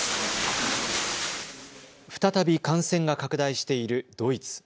再び感染が拡大しているドイツ。